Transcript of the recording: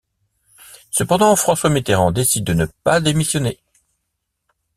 Cependant, François Mitterrand décide de ne pas démissionner.